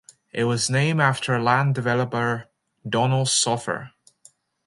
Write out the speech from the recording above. It was named after land developer Donald Soffer.